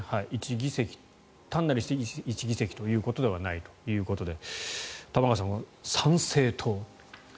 １議席、単なる１議席ということではないということで玉川さん、参政党。